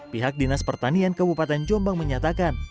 pihak dinas pertanian kabupaten jombang menyatakan